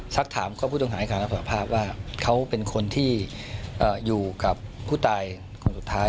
สักถามก็ผู้ต้องหาให้การรับสารภาพว่าเขาเป็นคนที่อยู่กับผู้ตายคนสุดท้าย